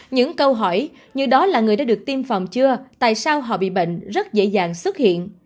những câu hỏi như đó là người đã được tiêm phòng chưa tại sao họ bị bệnh rất dễ dàng xuất hiện